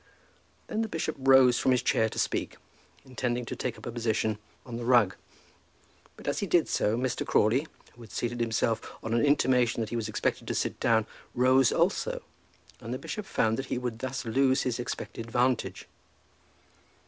Then the bishop rose from his chair to speak, intending to take up a position on the rug. But as he did so Mr. Crawley, who had seated himself on an intimation that he was expected to sit down, rose also, and the bishop found that he would thus lose his expected vantage.